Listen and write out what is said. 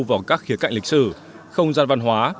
vào các khía cạnh lịch sử không gian văn hóa